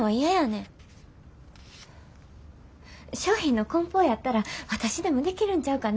商品のこん包やったら私でもできるんちゃうかな？